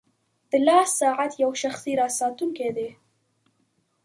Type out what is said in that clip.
• د لاس ساعت یو شخصي راز ساتونکی دی.